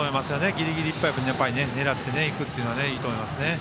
ギリギリいっぱい狙っていくのはいいと思います。